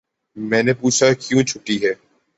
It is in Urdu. میں نے پوچھا کیوں چھٹی ہے